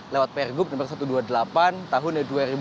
lewat prgup nomor satu ratus dua puluh delapan tahun dua ribu sembilan belas